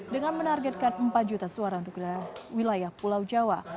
dengan menargetkan empat juta suara untuk wilayah pulau jawa